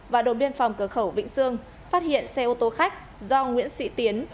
và đồn biên phòng cửa khẩu vĩnh sương phát hiện xe ô tô khách do nguyễn sĩ tiến